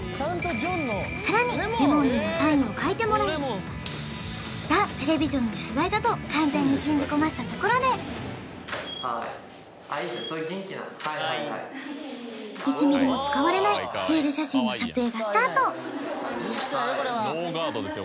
さらにレモンにもサインを書いてもらいザテレビジョンの取材だと完全に信じ込ませたところではい１ミリも使われないスチール写真の撮影がスタートノーガードですよ